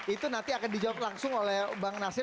itu nanti akan dijawab langsung oleh bang nasir